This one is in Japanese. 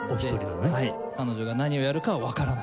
彼女が何をやるかはわからない。